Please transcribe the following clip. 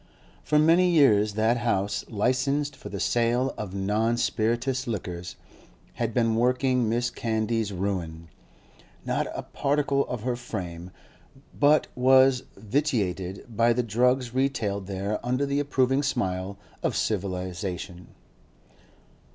For many years that house, licensed for the sale of non spirituous liquors, had been working Mrs. Candy's ruin; not a particle of her frame but was vitiated by the drugs retailed there under the approving smile of civilisation.